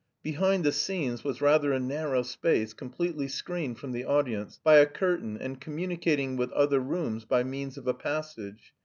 "Behind the scenes" was rather a narrow space completely screened from the audience by a curtain and communicating with other rooms by means of a passage.